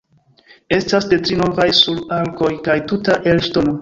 Estas de tri navoj sur arkoj kaj tuta el ŝtono.